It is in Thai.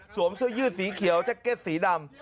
เสื้อยืดสีเขียวแจ็คเก็ตสีดำ